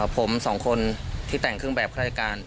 ผมสองคนที่แต่งเครื่องแบบคฎศกาล